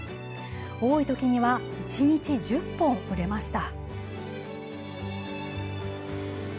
多いときには１日１０本売れました。